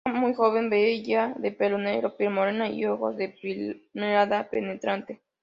Era una joven belleza, de pelo negro, piel morena y ojos de mirada penetrante.